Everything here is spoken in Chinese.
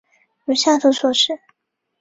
如下图所示。